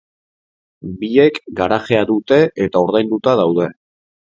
Biek garajea dute eta ordainduta daude.